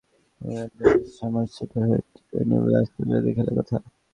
আইপিএলের পরপরই গেইলের ইংল্যান্ডে সমারসেটের হয়ে টি-টোয়েন্টি ব্লাস্ট প্রতিযোগিতায় খেলার কথা।